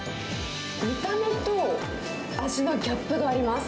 見た目と味のギャップがあります。